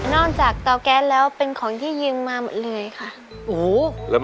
จากเตาแก๊สแล้วเป็นของที่ยืมมาหมดเลยค่ะ